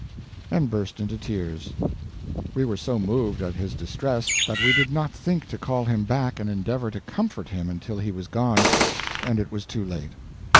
and burst into tears. We were so moved at his distress that we did not think to call him back and endeavor to comfort him until he was gone, and it was too late.